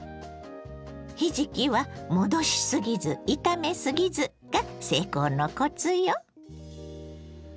ひじきは戻しすぎず炒めすぎずが成功のコツよ！